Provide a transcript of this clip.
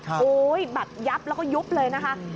แบบยับแล้วก็ยุบเลยนะคะ